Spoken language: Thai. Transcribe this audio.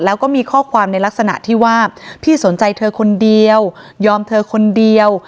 แล้วก็มีข้อความในลักษณะที่ว่าพี่สนใจเธอคนเดียวยอมเธอคนเดียว